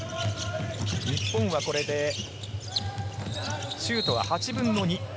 日本はこれでシュートは８分の２。